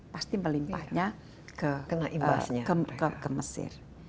pasti melimpahnya ke mesir